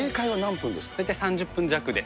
大体３０分弱で。